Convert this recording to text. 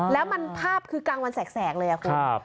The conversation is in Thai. แล้วมันภาพคือกลางวันแสกเลยคุณ